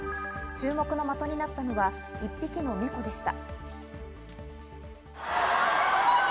注目の的になったのは１匹のネコでした。